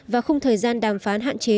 và không thời gian đàm phán hạn chế